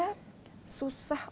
susah untuk berubah